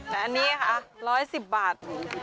แต่อันนี้ค่ะ๑๑๐บาท